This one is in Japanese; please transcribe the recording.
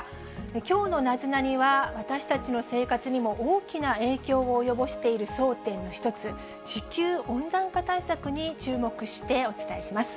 きょうのナゼナニっ？は、私たちの生活にも大きな影響を及ぼしている争点の一つ、地球温暖化対策に注目して、お伝えします。